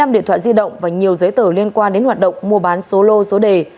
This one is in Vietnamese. một mươi điện thoại di động và nhiều giấy tờ liên quan đến hoạt động mua bán số lô số đề